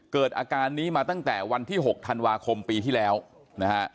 เกิดอาการนี้มาตั้งแต่วันที่๖ธันวาคมปีที่แล้วนะฮะ